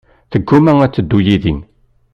Teggumma ad teddu yid-i.